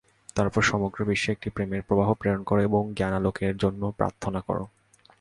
তারপর সমগ্র বিশ্বে একটি প্রেমের প্রবাহ প্রেরণ কর এবং জ্ঞানালোকের জন্য প্রার্থনা কর।